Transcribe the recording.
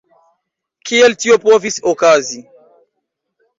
Kiel tio povis okazi?